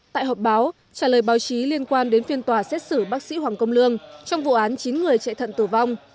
tại họp báo trả lời báo chí liên quan đến phiên tòa xét xử bác sĩ hoàng công lương trong vụ án chín người chạy thận tử vong